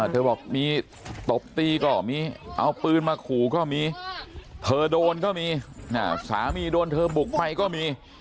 เธอบอกมีตบตีก็มีเอาปืนมาขู่ก็มีเธอโดนก็มีสามีโดนเธอบุกไปก็มี